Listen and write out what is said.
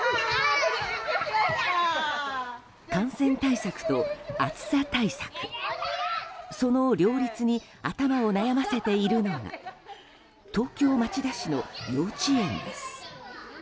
感染対策と暑さ対策、その両立に頭を悩ませているのが東京・町田市の幼稚園です。